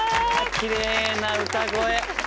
きれいな歌声。